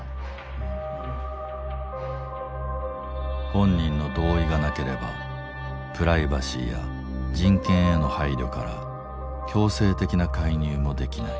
本人の同意がなければプライバシーや人権への配慮から強制的な介入もできない。